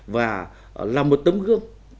và làm một tấm gương